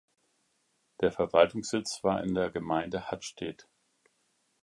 Der Verwaltungssitz war in der Gemeinde Hattstedt.